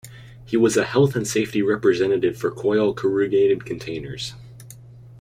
He was a health and safety representative for Coyle Corrugated Containers.